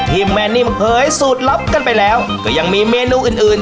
ที่แม่นิมเคยสูตรรับกันไปแล้วก็ยังมีเม็นูอื่น